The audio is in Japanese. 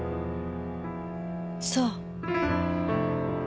そう。